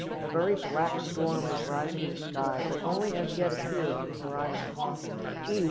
A very black storm was rising in the sky, but only as yet appeared on the horizon. E.